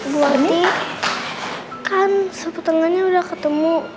bu arti kan sepetengahnya udah ketemu